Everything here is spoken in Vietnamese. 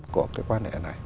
của cái quan hệ này